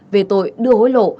về tội đưa hối lộ